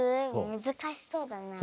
むずかしそうだなあ。